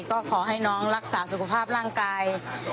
ก็ขอให้น้องรักษาสุขภาพร่างกาย